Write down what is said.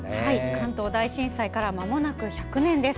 関東大震災からまもなく１００年です。